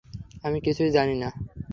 আমি কিছুই জানি না!